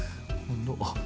あっ！